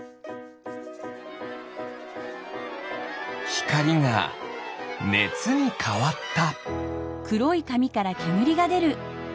ひかりがねつにかわった。